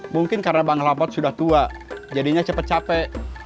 mungkin karena bang hlapot sudah tua jadinya cepat capek